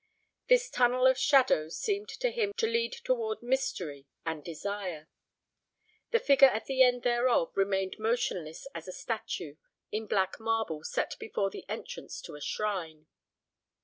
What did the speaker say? This tunnel of shadows seemed to him to lead toward mystery and desire. The figure at the end thereof remained motionless as a statue in black marble set before the entrance to a shrine.